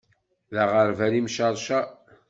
D aɣerbal imceṛceṛ.